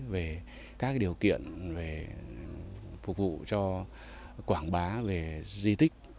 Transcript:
về các điều kiện về phục vụ cho quảng bá về di tích